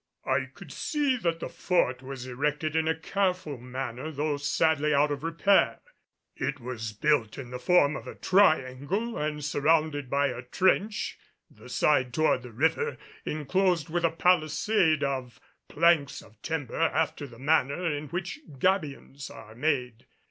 I could see that the Fort was erected in a careful manner though sadly out of repair. It was built in the form of a triangle and surrounded by a trench, the side toward the river enclosed with a palisade of planks of timber after the manner in which gabions are made.